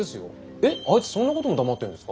えっあいつそんなことも黙ってるんですか？